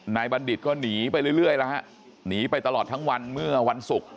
บัณฑิตก็หนีไปเรื่อยแล้วฮะหนีไปตลอดทั้งวันเมื่อวันศุกร์